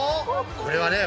これはね